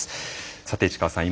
さて市川さん